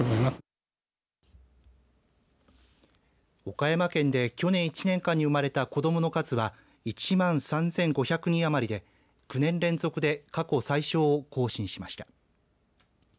岡山県で去年１年間に生まれた子どもの数は１万３５００人余りで９年連続で過去最少を更新しました。